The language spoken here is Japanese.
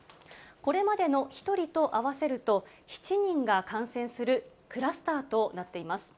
これまでの１人と合わせると、７人が感染するクラスターとなっています。